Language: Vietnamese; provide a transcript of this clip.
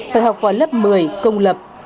phải học vào lớp một mươi công lập